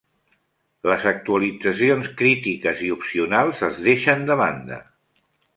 Les actualitzacions crítiques i opcionals es deixen de banda.